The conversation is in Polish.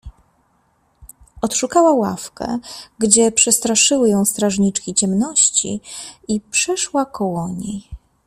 Odszukała ławkę, gdzie przestra szyły ją strażniczki ciemności, i przeszła koło niej.